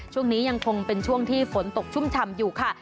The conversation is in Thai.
ช่วงนี้ยังคงเป็นช่วงที่ฝนตกชุ่มฉ่ำอยู่ค่ะ